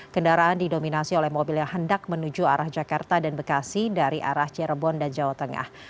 kendaraan didominasi oleh mobil yang hendak menuju arah jakarta dan bekasi dari arah cirebon dan jawa tengah